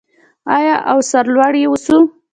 آیا او سرلوړي اوسو؟